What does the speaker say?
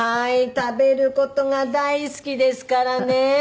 食べる事が大好きですからねえ！